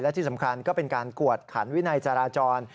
และที่สำคัญก็เป็นการกวดขันวินัยจราจร